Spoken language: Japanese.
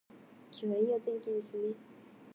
今日はいいお天気ですね